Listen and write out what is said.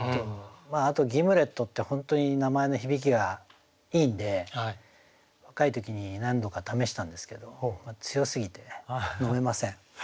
あと「ギムレット」って本当に名前の響きがいいんで若い時に何度か試したんですけど強すぎて飲めません。